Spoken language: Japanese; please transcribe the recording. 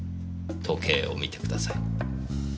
時計を見てください。